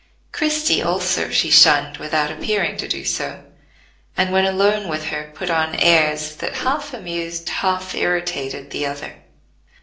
Christie also she shunned without appearing to do so, and when alone with her put on airs that half amused, half irritated the other.